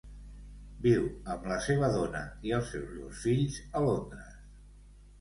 Viu amb la seva dona i els seus dos fills a Londres.